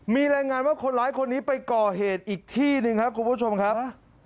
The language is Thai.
มีรายงานว่าคนร้ายคนนี้ไปก่อเหตุอีกที่หนึ่งครับคุณผู้ชมครับ